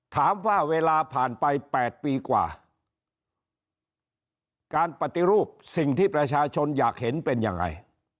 ถามว่าเวลาผ่านไป๘ปีกว่าการปฏิรูปสิ่งที่ประชาชนอยากเห็นเป็นยังไง